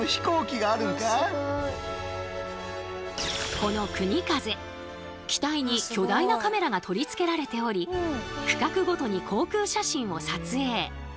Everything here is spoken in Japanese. このくにかぜ機体に巨大なカメラが取り付けられており区画ごとに航空写真を撮影。